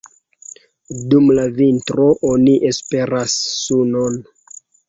Dum la vintro oni esperas sunon.